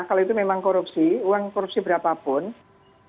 kalau itu memang korupsi uang korupsi berapapun itu kalau itu benar benar korupsi itu